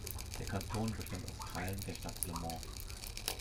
Der Kanton bestand aus Teilen der Stadt Le Mans.